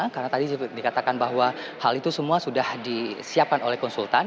karena tadi dikatakan bahwa hal itu semua sudah disiapkan oleh konsultan